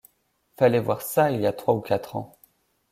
Fallait voir ça, il y a trois ou quatre ans!